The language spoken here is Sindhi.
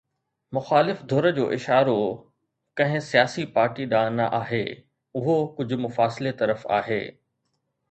مخالف ڌر جو اشارو ڪنهن سياسي پارٽي ڏانهن نه آهي، اهو ڪجهه مفاصلي طرف آهي.